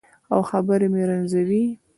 او خبرې مې رنځورې